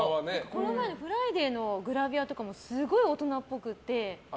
この前の「フライデー」のグラビアとかもすごい大人っぽくって。